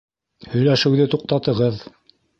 Һөйләшеүҙе туҡтатығыҙ!